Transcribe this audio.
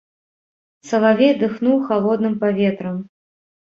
Салавей дыхнуў халодным паветрам.